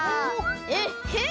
えっへん！